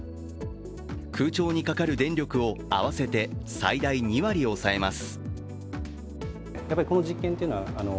空調にかかる電力を合わせて最大２割抑えます。